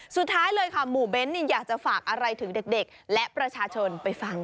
สุดท้ายเลยค่ะหมู่เบ้นอยากจะฝากอะไรถึงเด็กและประชาชนไปฟังค่ะ